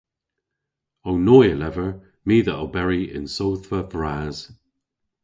Ow noy a lever my dhe oberi yn sodhva vras.